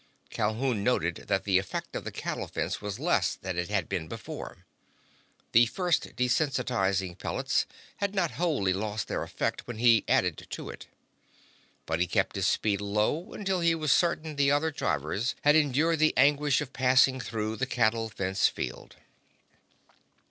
Calhoun noted that the effect of the cattle fence was less than it had been before. The first desensitizing pellets had not wholly lost their effect when he added to it. But he kept his speed low until he was certain the other drivers had endured the anguish of passing through the cattle fence field.